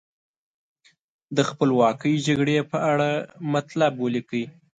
د خپلواکۍ جګړې په اړه مطلب ولیکئ.